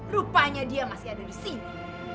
rupanya dia masih ada di sini